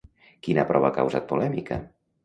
Quina prova ha causat polèmica?